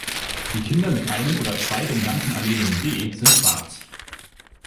Die Kinder mit einem oder zwei dominanten Allelen "B" sind schwarz.